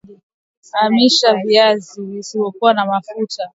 Amisha viazi visivyokua na mafuta kwenye sinia